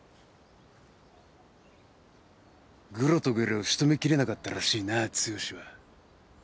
グロとグレを仕留めきれなかったらしいな剛は。